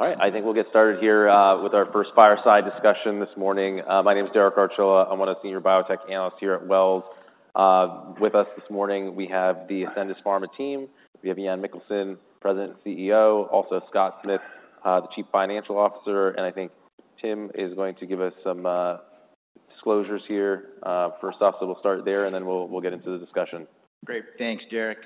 All right, I think we'll get started here with our first fireside discussion this morning. My name is Derek Archila. I'm one of the senior biotech analysts here at Wells. With us this morning, we have the Ascendis Pharma team. We have Jan Mikkelsen, President and CEO, also Scott Smith, the Chief Financial Officer, and I think Tim is going to give us some disclosures here, first off. So we'll start there, and then we'll get into the discussion. Great. Thanks, Derek.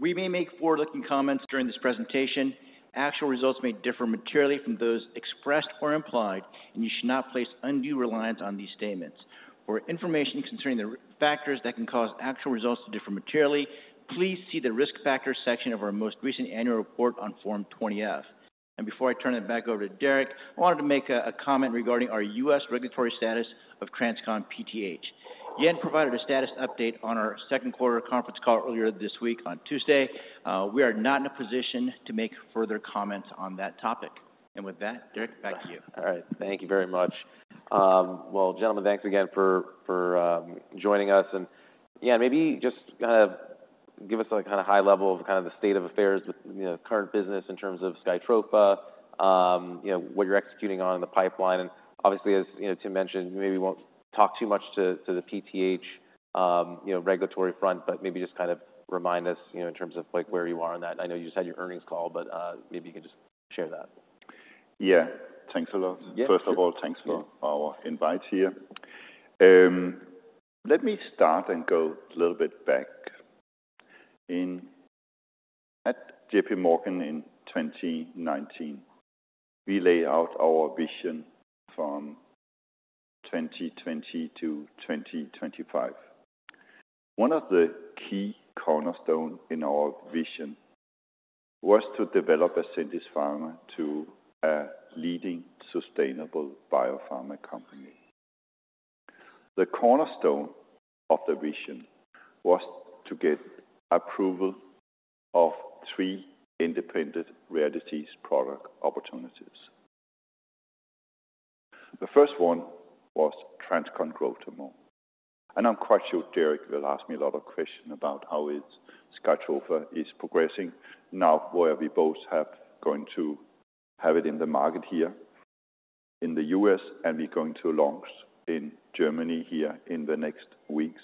We may make forward-looking comments during this presentation. Actual results may differ materially from those expressed or implied, and you should not place undue reliance on these statements. For information concerning the risk factors that can cause actual results to differ materially, please see the Risk Factors section of our most recent annual report on Form 20-F. Before I turn it back over to Derek, I wanted to make a comment regarding our U.S. regulatory status of TransCon PTH. Jan provided a status update on our second quarter conference call earlier this week on Tuesday. We are not in a position to make further comments on that topic. With that, Derek, back to you. All right. Thank you very much. Well, gentlemen, thanks again for joining us. And, yeah, maybe just kind of give us a kind of high level of kind of the state of affairs with, you know, current business in terms of SKYTROFA, you know, what you're executing on in the pipeline. And obviously, as, you know, Tim mentioned, maybe we won't talk too much to the PTH, you know, regulatory front, but maybe just kind of remind us, you know, in terms of like, where you are on that. I know you just had your earnings call, but maybe you can just share that. Yeah. Thanks a lot. Yeah. First of all, thanks for our invite here. Let me start and go a little bit back. In... At JPMorgan in 2019, we lay out our vision from 2020 to 2025. One of the key cornerstone in our vision was to develop Ascendis Pharma to a leading sustainable biopharma company. The cornerstone of the vision was to get approval of three independent rare disease product opportunities. The first one was TransCon Growth Hormone, and I'm quite sure Derek will ask me a lot of question about how it's SKYTROFA is progressing. Now, where we both have going to have it in the market here in the U.S., and we're going to launch in Germany here in the next weeks.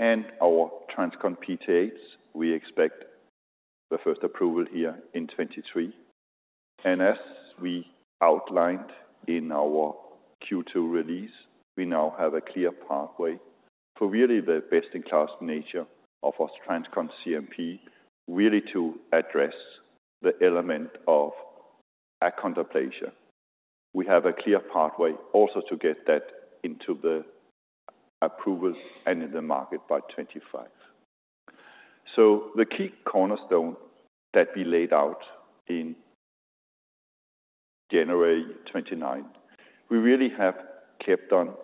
And our TransCon PTH, we expect the first approval here in 2023. And as we outlined in our Q2 release, we now have a clear pathway for really the best-in-class nature of our TransCon CNP, really to address the element of achondroplasia. We have a clear pathway also to get that into the approvals and in the market by 2025. So the key cornerstone that we laid out in January 2019, we really have kept on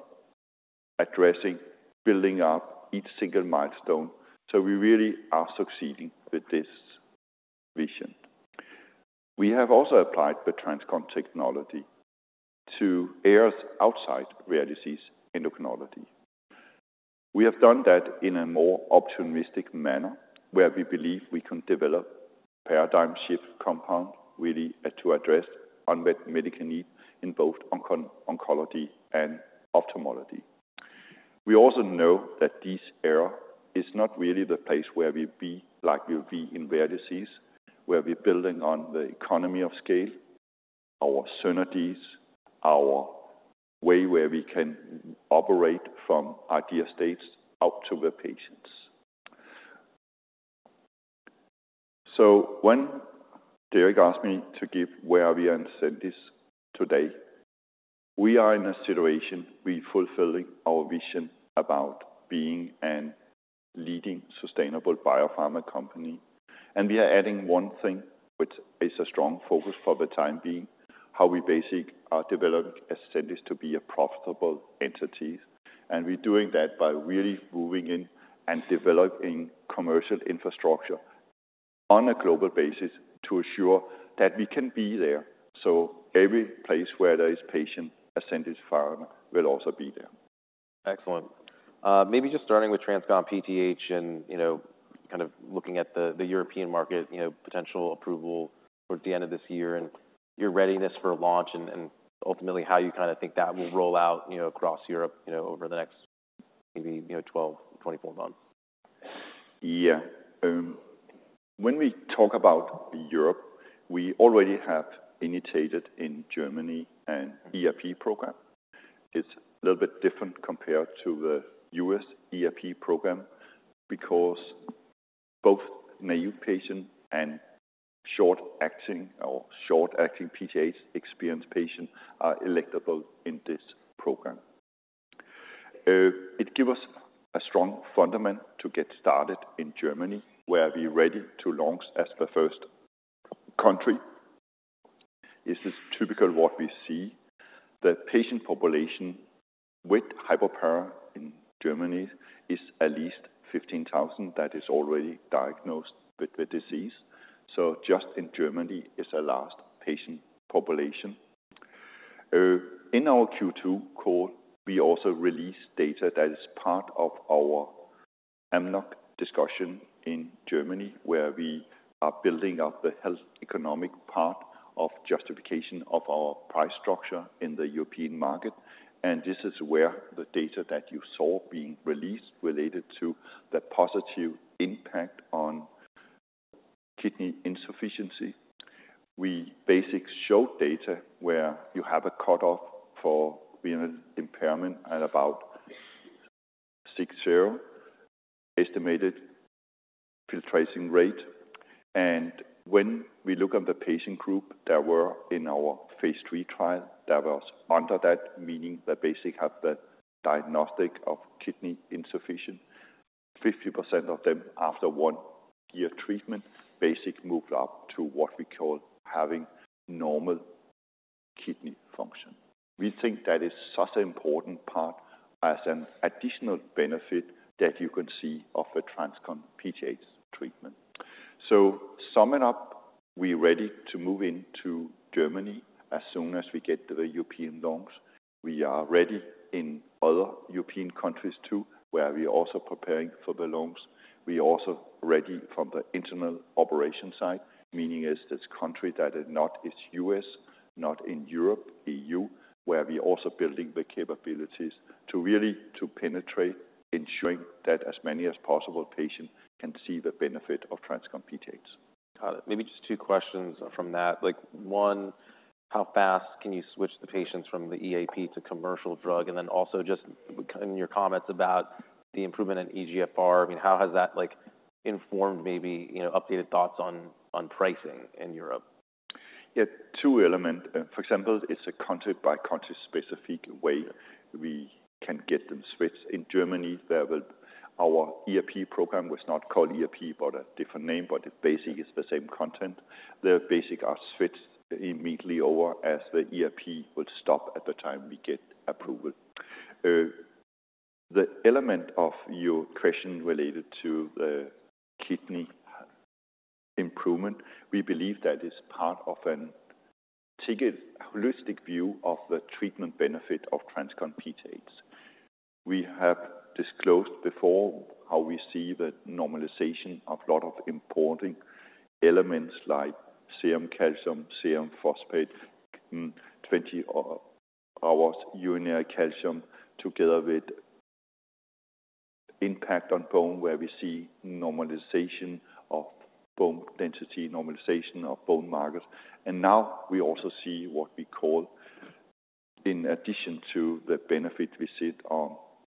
addressing, building up each single milestone, so we really are succeeding with this vision. We have also applied the TransCon technology to areas outside rare disease endocrinology. We have done that in a more optimistic manner, where we believe we can develop paradigm shift compound, really, to address unmet medical needs in both oncology and ophthalmology. We also know that this area is not really the place where we'd be, like, we'd be in rare disease, where we're building on the economy of scale, our synergies, our way where we can operate from idea states out to the patients. So when Derek asked me to give where we are in Ascendis today, we are in a situation, we fulfilling our vision about being a leading sustainable biopharma company, and we are adding one thing, which is a strong focus for the time being, how we basically are developing Ascendis to be a profitable entity. We're doing that by really moving in and developing commercial infrastructure on a global basis to ensure that we can be there. So every place where there is patient, Ascendis Pharma will also be there. Excellent. Maybe just starting with TransCon PTH and, you know, kind of looking at the European market, you know, potential approval towards the end of this year and your readiness for launch and ultimately how you kind of think that will roll out, you know, across Europe, you know, over the next maybe, you know, 12, 24 months? Yeah. When we talk about Europe, we already have initiated in Germany an EAP program. It's a little bit different compared to the U.S. EAP program because both naive patient and short-acting PTH experience patient are electable in this program. It gives us a strong foundation to get started in Germany, where we're ready to launch as the first country. This is typical what we see. The patient population with hypoparathyroidism in Germany is at least 15,000, that is already diagnosed with the disease. So just in Germany is a large patient population. In our Q2 call, we also released data that is part of our AMNOG discussion in Germany, where we are building up the health economic part of justification of our price structure in the European market. This is where the data that you saw being released related to the positive impact on kidney insufficiency. We basically showed data where you have a cutoff for renal impairment at about 60 estimated filtration rate. And when we look at the patient group that were in our phase III trial, that was under that, meaning that basically have the diagnosis of kidney insufficiency. 50% of them, after one year treatment, basically moved up to what we call having normal kidney function. We think that is such an important part as an additional benefit that you can see of a TransCon PTH treatment. Summing up, we're ready to move into Germany as soon as we get the European labels. We are ready in other European countries, too, where we are also preparing for the labels. We are also ready from the internal operation side, meaning this country that is not the U.S., not in Europe, E.U., where we are also building the capabilities to really penetrate, ensuring that as many as possible patients can see the benefit of TransCon PTH. Got it. Maybe just two questions from that. Like, one, how fast can you switch the patients from the EAP to commercial drug? And then also just in your comments about the improvement in eGFR, I mean, how has that, like, informed maybe, you know, updated thoughts on, on pricing in Europe? Yeah, two elements. For example, it's a country-by-country specific way we can get them switched. In Germany, there will... Our EAP program was not called EAP, but a different name, but it basically is the same content. They basically are switched immediately over as the EAP will stop at the time we get approval. The element of your question related to the kidney improvement, we believe that is part of and take a holistic view of the treatment benefit of TransCon PTH. We have disclosed before how we see the normalization of a lot of important elements like serum calcium, serum phosphate, 24-hour urinary calcium, together with impact on bone, where we see normalization of bone density, normalization of bone markers.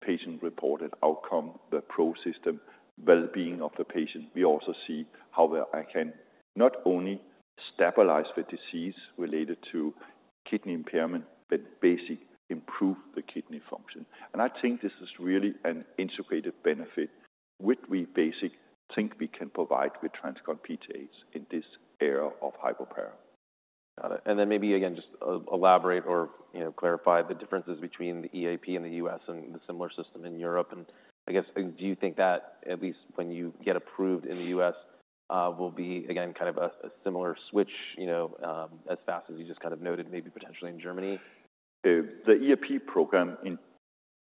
And now we also see what we call, in addition to the benefit we see on patient-reported outcome, the PRO system well-being of the patient. We also see how well I can not only stabilize the disease related to kidney impairment, but basically improve the kidney function. I think this is really an integrated benefit, which we basically think we can provide with TransCon PTH in this era of hypoparathyroidism. Got it. And then maybe again, just elaborate or, you know, clarify the differences between the EAP and the U.S. and the similar system in Europe. And I guess, do you think that at least when you get approved in the U.S., will be again, kind of a similar switch, you know, as fast as you just kind of noted, maybe potentially in Germany? The EAP program in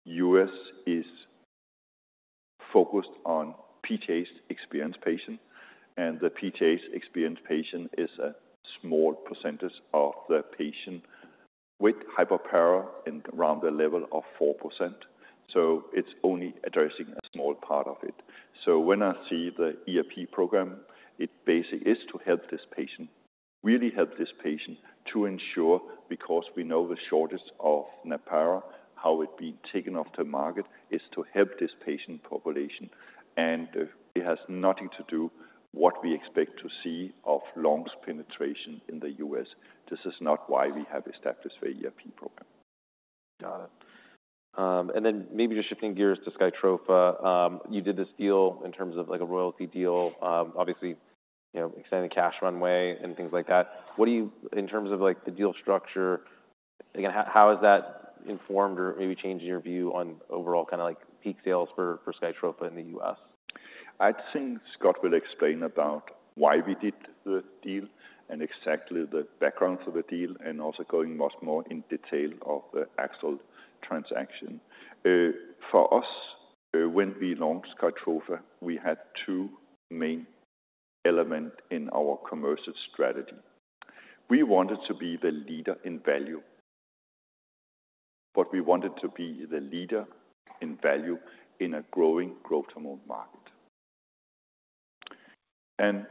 the U.S. is focused on PTH-experienced patients, and the PTH-experienced patient is a small percentage of the patient with hypoparathyroidism and around the level of 4%. So it's only addressing a small part of it. So when I see the EAP program, it basically is to help this patient, really help this patient to ensure, because we know the shortage of Natpara, how it was taken off the market, is to help this patient population. And it has nothing to do what we expect to see of long penetration in the U.S. This is not why we have established the EAP program. Got it. And then maybe just shifting gears to SKYTROFA. You did this deal in terms of, like, a royalty deal. Obviously, you know, extending the cash runway and things like that. What do you... In terms of, like, the deal structure, again, how has that informed or maybe changed your view on overall kind of like peak sales for SKYTROFA in the U.S? I think Scott will explain about why we did the deal and exactly the background for the deal, and also going much more in detail of the actual transaction. For us, when we launched SKYTROFA, we had two main elements in our commercial strategy. We wanted to be the leader in value, but we wanted to be the leader in value in a growing growth hormone market. And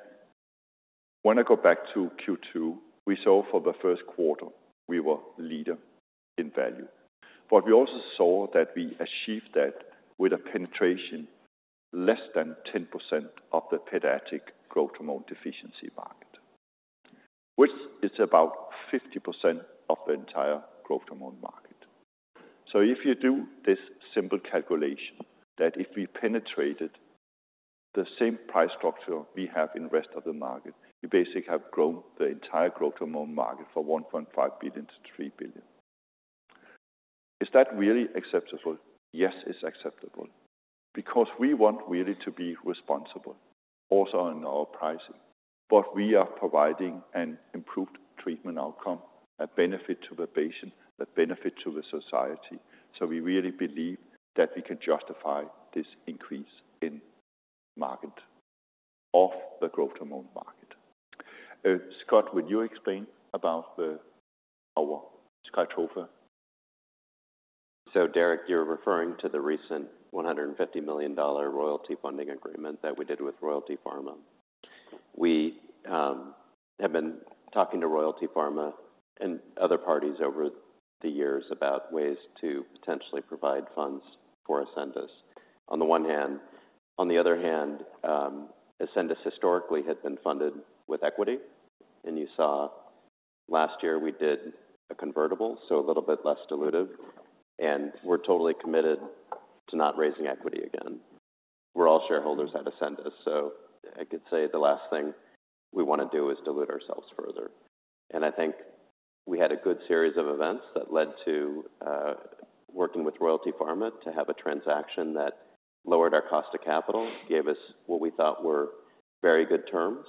when I go back to Q2, we saw for the first quarter we were leader in value. But we also saw that we achieved that with a penetration less than 10% of the pediatric growth hormone deficiency market, which is about 50% of the entire growth hormone market. So if you do this simple calculation, that if we penetrated the same price structure we have in the rest of the market, we basically have grown the entire growth hormone market from $1.5 billion to $3 billion. Is that really acceptable? Yes, it's acceptable, because we want really to be responsible also in our pricing. But we are providing an improved treatment outcome, a benefit to the patient, a benefit to the society. So we really believe that we can justify this increase in market, of the growth hormone market. Scott, would you explain about the, our SKYTROFA? So, Derek, you're referring to the recent $150 million royalty funding agreement that we did with Royalty Pharma. We have been talking to Royalty Pharma and other parties over the years about ways to potentially provide funds for Ascendis, on the one hand. On the other hand, Ascendis historically had been funded with equity, and you saw last year we did a convertible, so a little bit less dilutive, and we're totally committed to not raising equity again. We're all shareholders at Ascendis, so I could say the last thing we wanna do is dilute ourselves further. I think we had a good series of events that led to working with Royalty Pharma to have a transaction that lowered our cost of capital, gave us what we thought were very good terms,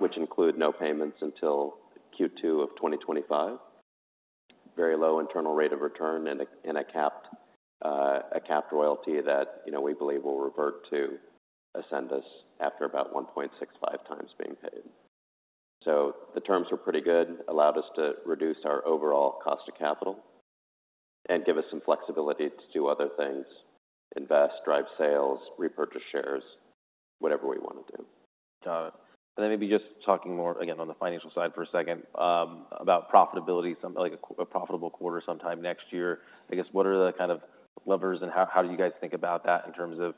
which include no payments until Q2 of 2025. Very low internal rate of return and a capped royalty that, you know, we believe will revert to Ascendis after about 1.65 times being paid. So the terms were pretty good, allowed us to reduce our overall cost of capital and give us some flexibility to do other things, invest, drive sales, repurchase shares, whatever we want to do. Got it. And then maybe just talking more, again, on the financial side for a second, about profitability, like a profitable quarter sometime next year. I guess, what are the kind of levers, and how do you guys think about that in terms of,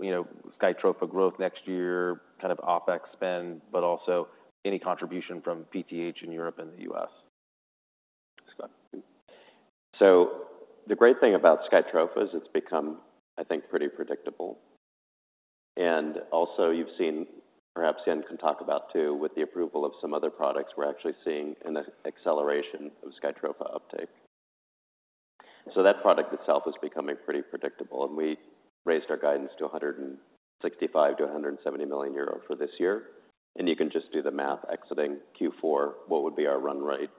you know, SKYTROFA growth next year, kind of OpEx spend, but also any contribution from PTH in Europe and the U.S.? Scott. So the great thing about SKYTROFA is it's become, I think, pretty predictable. And also you've seen, perhaps Jan can talk about too, with the approval of some other products, we're actually seeing an acceleration of SKYTROFA uptake. So that product itself is becoming pretty predictable, and we raised our guidance to 165 million-170 million euro for this year. And you can just do the math, exiting Q4, what would be our run rate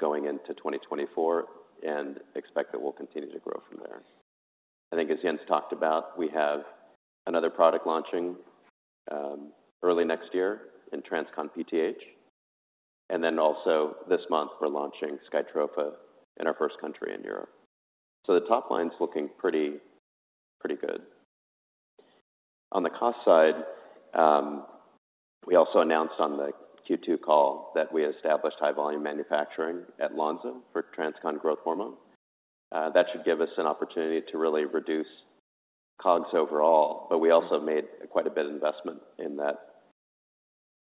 going into 2024, and expect that we'll continue to grow from there. I think as Jan talked about, we have another product launching early next year in TransCon PTH, and then also this month we're launching SKYTROFA in our first country in Europe. So the top line's looking pretty, pretty good. On the cost side, we also announced on the Q2 call that we established high volume manufacturing at Lonza for TransCon Growth Hormone. That should give us an opportunity to really reduce COGS overall, but we also made quite a bit of investment in that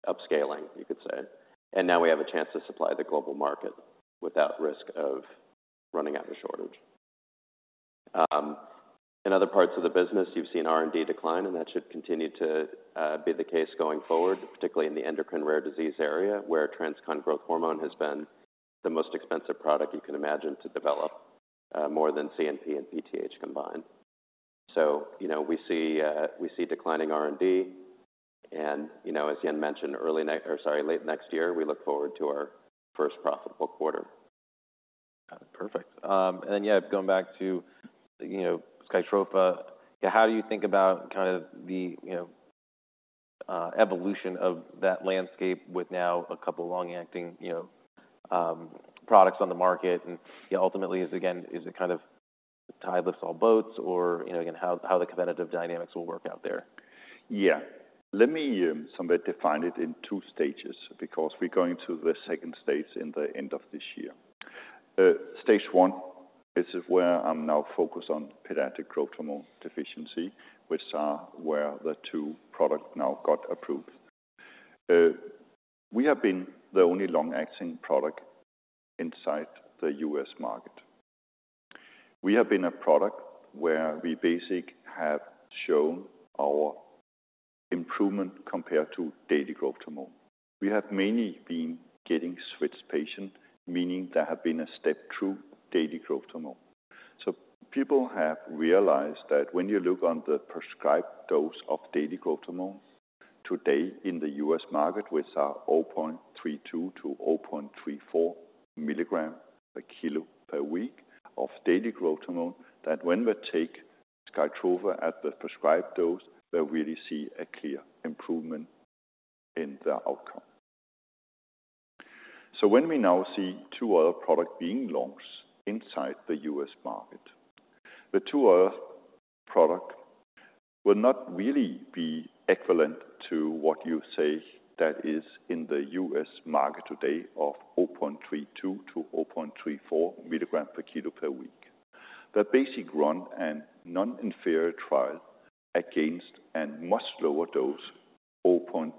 upscaling, you could say. Now we have a chance to supply the global market without risk of running out of shortage. In other parts of the business, you've seen R&D decline, and that should continue to be the case going forward, particularly in the endocrine rare disease area, where TransCon Growth Hormone has been the most expensive product you can imagine to develop, more than CNP and PTH combined. So, you know, we see, we see declining R&D, and, you know, as Jan mentioned, early next... Or, sorry, late next year, we look forward to our first profitable quarter. Perfect. And then, yeah, going back to, you know, SKYTROFA, how do you think about kind of the, you know, evolution of that landscape with now a couple long-acting, you know, products on the market? And, you know, ultimately is again, is it kind of tide lifts all boats or, you know, again, how the competitive dynamics will work out there? Yeah. Let me somewhat define it in two stages, because we're going to the second stage in the end of this year. Stage one is where I'm now focused on pediatric growth hormone deficiency, which are where the two product now got approved. We have been the only long-acting product inside the U.S. market. We have been a product where we basic have shown our improvement compared to daily growth hormone. We have mainly been getting switched patient, meaning there have been a step through daily growth hormone. So people have realized that when you look on the prescribed dose of daily growth hormone today in the U.S. market, which are 0.32 to 0.34 mg/kg/week of daily growth hormone, that when we take SKYTROFA at the prescribed dose, they really see a clear improvement in the outcome. So when we now see two other products being launched inside the U.S. market, the two other products will not really be equivalent to what you say that is in the U.S. market today of 0.32-0.34 mg/kg/week. The somatrogon non-inferiority trial against a much lower dose, 4.24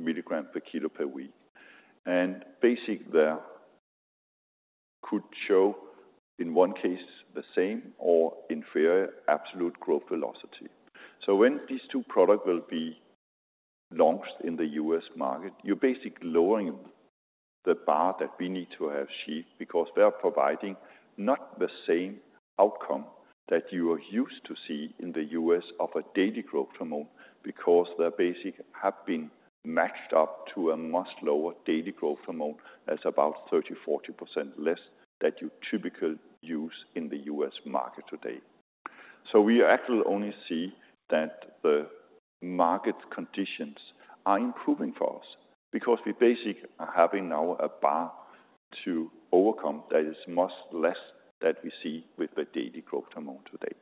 mg/kg/week. And somatrogon there could show, in one case, the same or inferior absolute growth velocity. So when these two products will be launched in the U.S. market, you're basically lowering the bar that we need to achieve, because they are providing not the same outcome that you are used to see in the U.S. of a daily growth hormone, because they basically have been matched up to a much lower daily growth hormone. That's about 30% to 40% less than you typically use in the U.S. market today. So we actually only see that the market conditions are improving for us, because we basically are having now a bar to overcome that is much less than we see with the daily growth hormone today.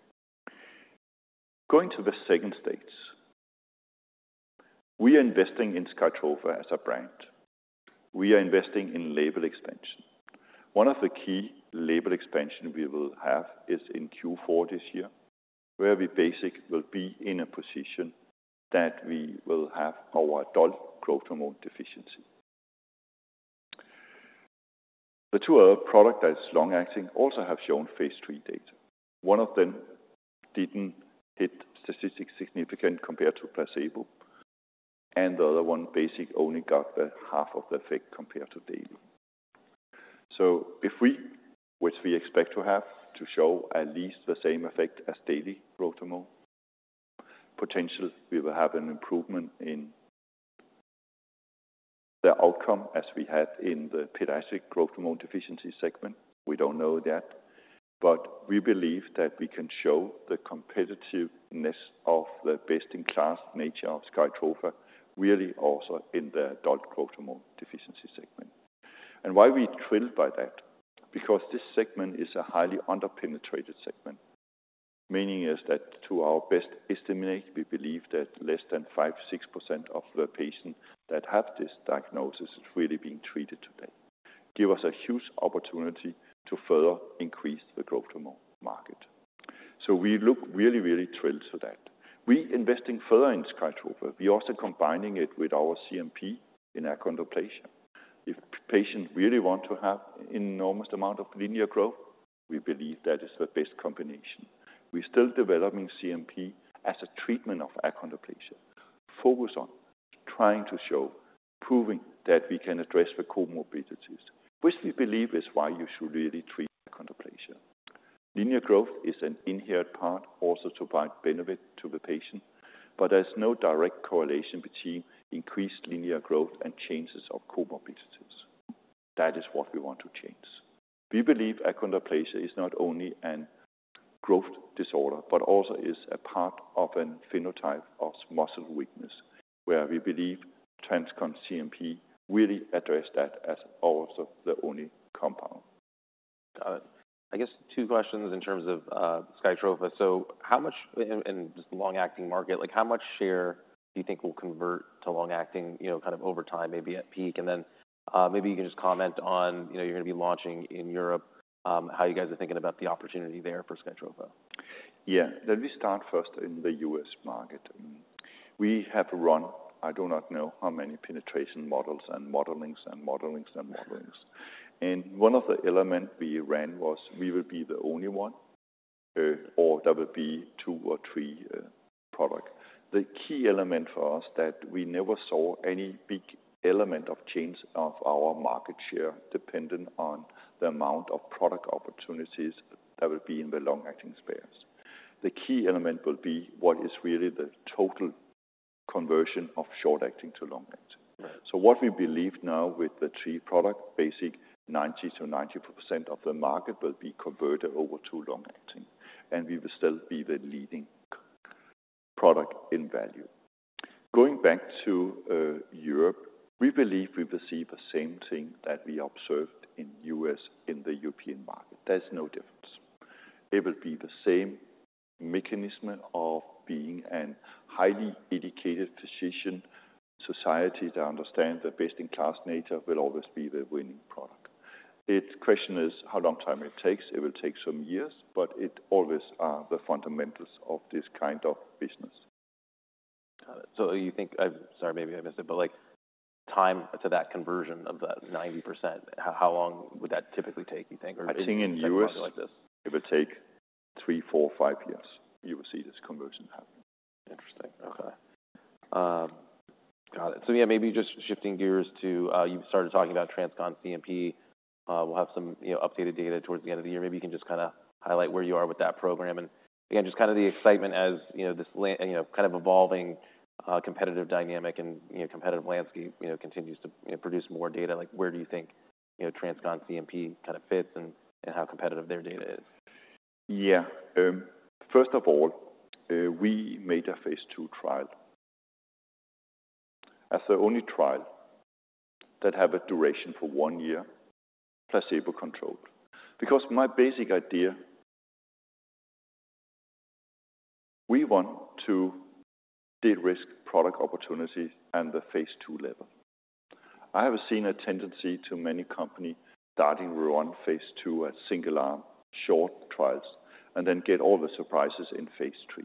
Going to the second stage, we are investing in SKYTROFA as a brand. We are investing in label expansion. One of the key label expansions we will have is in Q4 this year, where we basically will be in a position that we will have our adult growth hormone deficiency. The two other products that are long acting also have shown phase III data. One of them didn't hit statistical significance compared to placebo, and the other one basically only got half the effect compared to daily. So if we, which we expect to have, to show at least the same effect as daily growth hormone, potentially we will have an improvement in the outcome as we had in the pediatric growth hormone deficiency segment. We don't know that, but we believe that we can show the competitiveness of the best-in-class nature of SKYTROFA, really also in the adult growth hormone deficiency segment. And why we thrilled by that? Because this segment is a highly under-penetrated segment, meaning is that to our best estimate, we believe that less than 5% to 6% of the patients that have this diagnosis is really being treated today. Give us a huge opportunity to further increase the growth hormone market. So we look really, really thrilled for that. We investing further in SKYTROFA. We're also combining it with our CNP in achondroplasia. If patients really want to have enormous amount of linear growth, we believe that is the best combination. We're still developing CNP as a treatment of achondroplasia. Focus on trying to show, proving that we can address the comorbidities, which we believe is why you should really treat achondroplasia. Linear growth is an inherent part, also to provide benefit to the patient, but there's no direct correlation between increased linear growth and changes of comorbidities. That is what we want to change. We believe achondroplasia is not only a growth disorder, but also is a part of a phenotype of muscle weakness, where we believe TransCon CNP really address that as also the only compound. I guess two questions in terms of, SKYTROFA. So how much in, in this long-acting market, like, how much share do you think will convert to long-acting, you know, kind of over time, maybe at peak? And then, maybe you can just comment on, you know, you're going to be launching in Europe, how you guys are thinking about the opportunity there for SKYTROFA. Yeah. Let me start first in the U.S. market. We have run, I do not know how many penetration models and modelings and modelings and modelings. And one of the elements we ran was we will be the only one, or there will be two or three, product. The key element for us that we never saw any big element of change of our market share, dependent on the amount of product opportunities that will be in the long-acting space. The key element will be what is really the total conversion of short-acting to long-acting. Yeah. So what we believe now with the three product, basically 90% to 95% of the market will be converted over to long-acting, and we will still be the leading product in value. Going back to Europe, we believe we will see the same thing that we observed in U.S., in the European market. There's no difference. It will be the same mechanism of being a highly educated decision society, to understand the best-in-class nature will always be the winning product. The question is, how long time it takes? It will take some years, but it always are the fundamentals of this kind of business. Got it. So you think... I'm sorry, maybe I missed it, but, like, time to that conversion of that 90%, how long would that typically take, you think, or- I think in U.S.- -like this? It would take three, four, five years, you will see this conversion happen. Interesting. Okay. Got it. So yeah, maybe just shifting gears to, you started talking about TransCon CNP. We'll have some, you know, updated data towards the end of the year. Maybe you can just kind of highlight where you are with that program, and again, just kind of the excitement as, you know, this you know, kind of evolving competitive dynamic and, you know, competitive landscape, you know, continues to, you know, produce more data. Like, where do you think, you know, TransCon CNP kind of fits and, and how competitive their data is? Yeah. First of all, we made a phase II trial as the only trial that have a duration for one year, placebo-controlled. Because my basic idea, we want to de-risk product opportunity and the phase II level. I have seen a tendency to many company starting run phase II, a single arm, short trials, and then get all the surprises in phase III.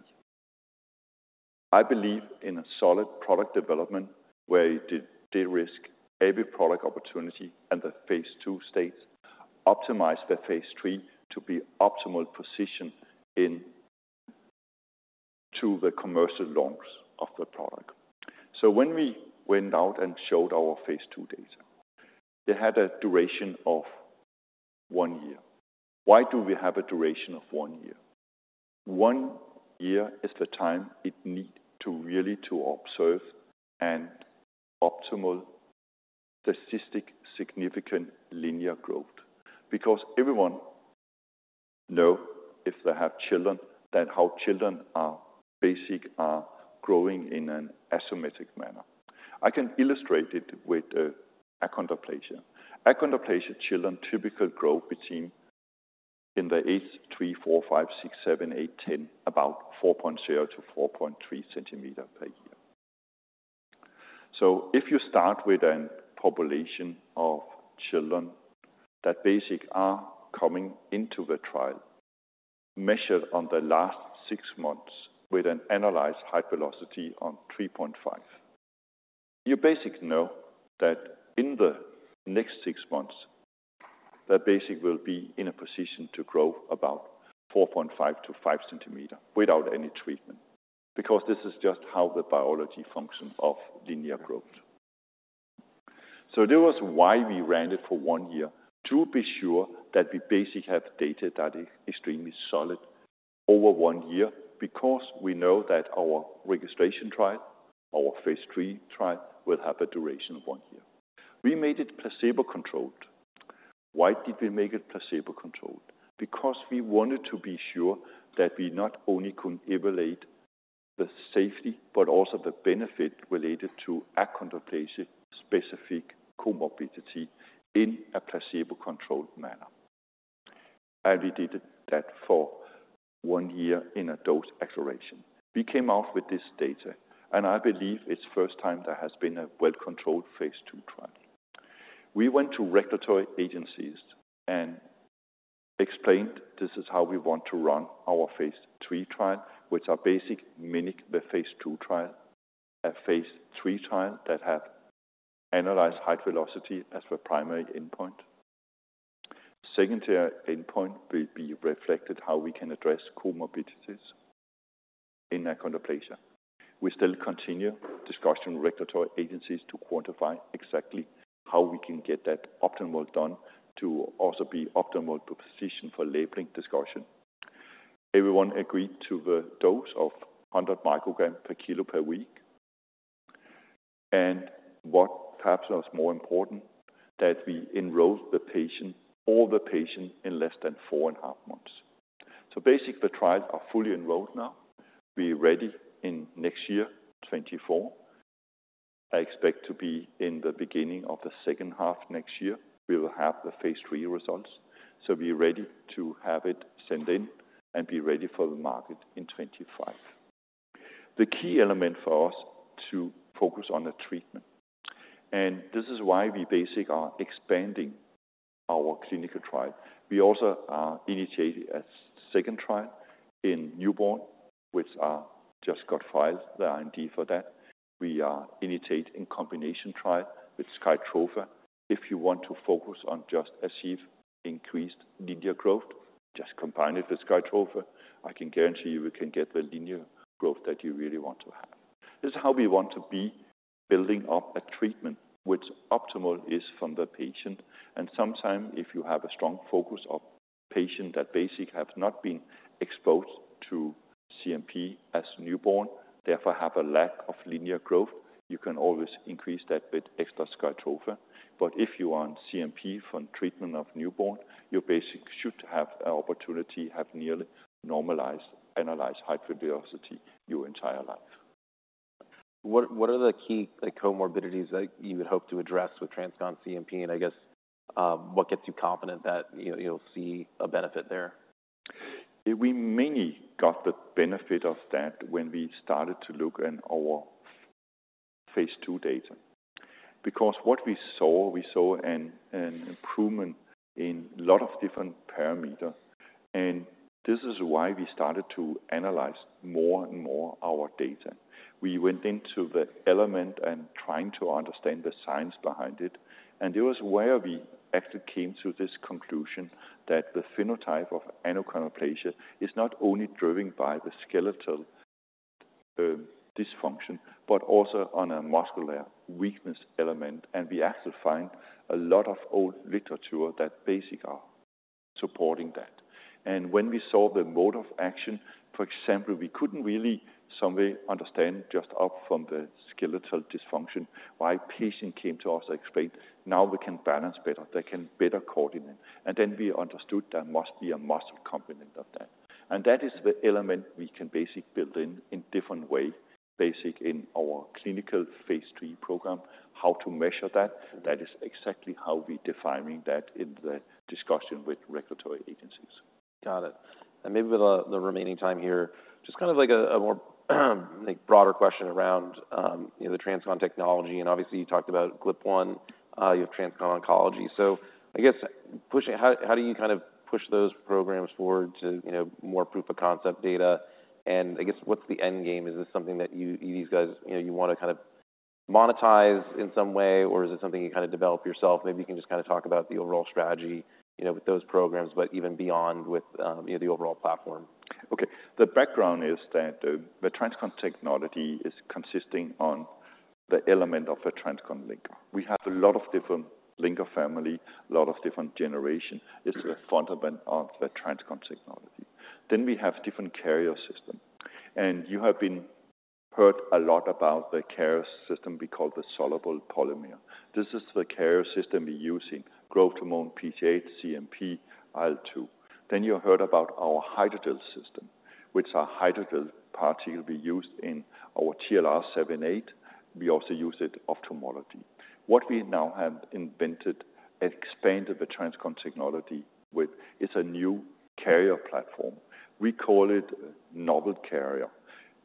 I believe in a solid product development, where you de-risk every product opportunity at the phase II stage. Optimize the phase III to be optimal position in, to the commercial launch of the product. So when we went out and showed our phase II data, they had a duration of one year. Why do we have a duration of one year? One year is the time it need to really to observe an optimal statistic significant linear growth. Because everyone know, if they have children, that how children are basic are growing in an asymmetric manner. I can illustrate it with achondroplasia. Achondroplasia children typical growth between in the age 3, 4, 5, 6, 7, 8, 10, about 4.0 to 4.3 cm per year. So if you start with a population of children that basic are coming into the trial, measured on the last six months with an analyzed height velocity on 3.5, you basically know that in the next six months, that basic will be in a position to grow about 4.5 to 5 cm without any treatment, because this is just how the biology functions of linear growth. So that was why we ran it for one year, to be sure that we basically have data that is extremely solid over one year, because we know that our registration trial, our phase III trial, will have a duration of one year. We made it placebo-controlled. Why did we make it placebo-controlled? Because we wanted to be sure that we not only could evaluate the safety, but also the benefit related to achondroplasia-specific comorbidity in a placebo-controlled manner. And we did that for one year in a dose exploration. We came out with this data, and I believe it's first time there has been a well-controlled phase II trial. We went to regulatory agencies and explained this is how we want to run our phase III trial, which are basic, mimic the phase II trial. A phase III trial that have analyzed height velocity as the primary endpoint. Secondary endpoint will be reflected how we can address comorbidities in achondroplasia. We still continue discussion regulatory agencies to quantify exactly how we can get that optimally done to also be optimal position for labeling discussion. Everyone agreed to the dose of 100 microgram per kilo per week. And what perhaps was more important, that we enrolled the patient, all the patients in less than four and a half months. So basically, the trial are fully enrolled now. We're ready in next year, 2024. I expect to be in the beginning of the second half next year, we will have the phase III results. So we are ready to have it sent in and be ready for the market in 2025. The key element for us to focus on the treatment, and this is why we basically are expanding our clinical trial. We also are initiating a second trial in newborns, which was just got filed, the IND for that. We are initiating a combination trial with SKYTROFA. If you want to focus on just achieve increased linear growth, just combine it with SKYTROFA. I can guarantee you, you can get the linear growth that you really want to have. This is how we want to be building up a treatment which optimal is for the patient. And sometimes, if you have a strong focus of patient that basically have not been exposed to CNP as newborns, therefore have a lack of linear growth, you can always increase that with extra SKYTROFA. But if you are on CNP for treatment of newborns, you basically should have an opportunity to have nearly normalized annualized height velocity your entire life. What are the key, like, comorbidities that you would hope to address with TransCon CNP? And I guess, what gets you confident that, you know, you'll see a benefit there? We mainly got the benefit of that when we started to look in our phase II data. Because what we saw, we saw an improvement in a lot of different parameter, and this is why we started to analyze more and more our data. We went into the element and trying to understand the science behind it, and it was where we actually came to this conclusion that the phenotype of achondroplasia is not only driven by the skeletal dysfunction, but also on a muscular weakness element. And we actually find a lot of old literature that basically are supporting that. And when we saw the mode of action, for example, we couldn't really someday understand just up from the skeletal dysfunction, why patient came to us to explain, now we can balance better, they can better coordinate. And then we understood there must be a muscle component of that. And that is the element we can basically build in, in different way, basic in our clinical phase III program. How to measure that, that is exactly how we're defining that in the discussion with regulatory agencies. Got it. And maybe with the remaining time here, just kind of like a more like broader question around, you know, the TransCon technology, and obviously, you talked about GLP-1, you have TransCon oncology. So I guess how do you kind of push those programs forward to, you know, more proof of concept data? And I guess, what's the end game? Is this something that you guys, you know, you want to kind of monetize in some way, or is it something you kind of develop yourself? Maybe you can just kind of talk about the overall strategy, you know, with those programs, but even beyond with, you know, the overall platform. Okay. The background is that the TransCon technology is consisting on the element of a TransCon linker. We have a lot of different linker family, a lot of different generation. Mm-hmm. It's the fundament of the TransCon technology. Then we have different carrier system, and you have been heard a lot about the carrier system we call the soluble polymer. This is the carrier system we use in growth hormone, PTH, CNP, IL-2. Then you heard about our hydrogel system, which are hydrogel particle we used in our TLR 7/8. We also use it ophthalmology. What we now have invented and expanded the TransCon technology with is a new carrier platform. We call it novel carrier,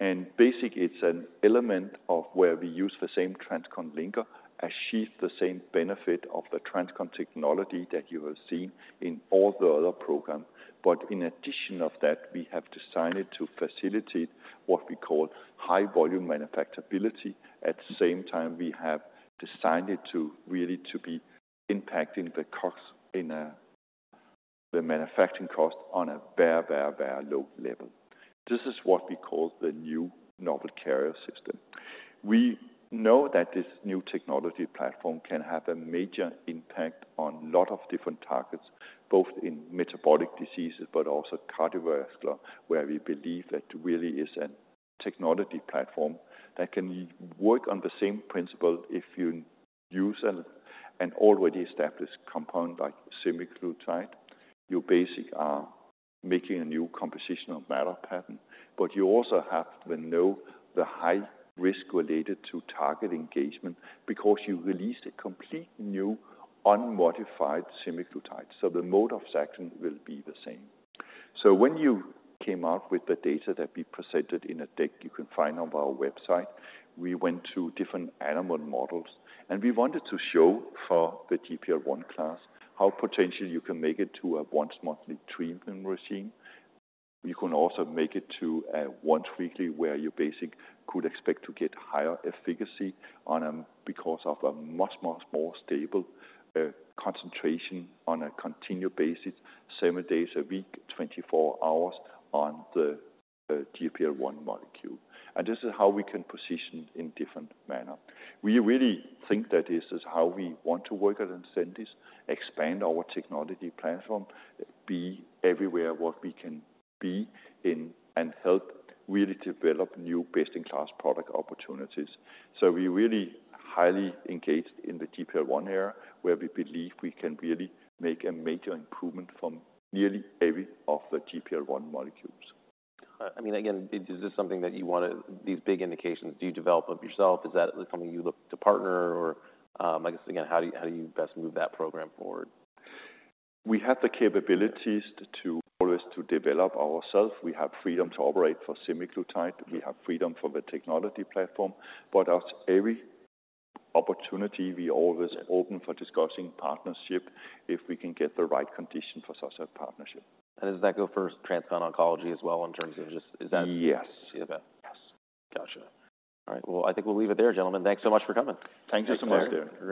and basically, it's an element of where we use the same TransCon linker, achieve the same benefit of the TransCon technology that you have seen in all the other program. But in addition of that, we have designed it to facilitate what we call high volume manufacturability. At the same time, we have designed it to really be impacting the costs in the manufacturing cost on a very, very, very low level. This is what we call the new novel carrier system. We know that this new technology platform can have a major impact on a lot of different targets, both in metabolic diseases but also cardiovascular, where we believe that really is a technology platform that can work on the same principle. If you use an already established compound like semaglutide, you basically are making a new composition of matter patent, but you also have to know the high risk related to target engagement because you release a completely new unmodified semaglutide, so the mode of action will be the same. So when you came out with the data that we presented in a deck you can find on our website, we went to different animal models, and we wanted to show for the GLP-1 class, how potentially you can make it to a once monthly treatment regimen. You can also make it to a once weekly, where you basically could expect to get higher efficacy on a... Because of a much, much more stable concentration on a continued basis, 7 days a week, 24 hours on the, the GLP-1 molecule. And this is how we can position in different manner. We really think that this is how we want to work at Ascendis, expand our technology platform, be everywhere where we can be in, and help really develop new best-in-class product opportunities. So we really highly engaged in the GLP-1 area, where we believe we can really make a major improvement from nearly every of the GLP-1 molecules. I mean, again, is this something that you wanna—these big indications, do you develop them yourself? Is that something you look to partner or, I guess again, how do you, how do you best move that program forward? We have the capabilities to always develop ourselves. We have freedom to operate for semaglutide. Mm-hmm. We have freedom for the technology platform, but as every opportunity, we always open for discussing partnership if we can get the right condition for such a partnership. Does that go for TransCon oncology as well, in terms of just... Is that- Yes. -Yeah. Yes. Gotcha. All right. Well, I think we'll leave it there, gentlemen. Thanks so much for coming. Thank you so much. Thanks for having us here.